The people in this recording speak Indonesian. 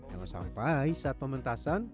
jangan sampai saat pementasan